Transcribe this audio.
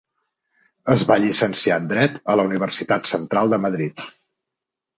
Es va llicenciar en Dret a la Universitat Central de Madrid.